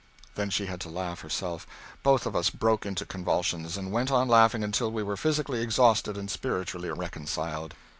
Then she had to laugh herself. Both of us broke into convulsions, and went on laughing until we were physically exhausted and spiritually reconciled.